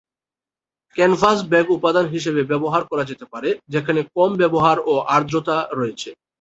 Canvas bag উপাদান হিসাবে ব্যবহার করা যেতে পারে যেখানে কম ব্যবহার এবং আর্দ্রতা রয়েছে।